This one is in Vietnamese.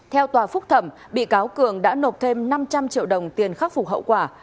theo tòa phúc thẩm bị cáo cường đã nộp thêm năm trăm linh triệu đồng tiền khắc phục hậu quả